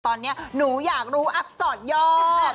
ตอนนี้หนูอยากรู้อักษรยอม